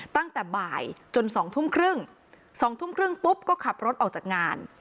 ตั้งแต่บ่ายจน๒ทุ่มครึ่ง๒ทุ่มครึ่งปุ๊บก็ขับรถออกจากงาน